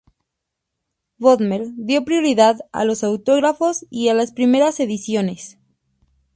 Bodmer dio prioridad a los autógrafos y a las primeras ediciones.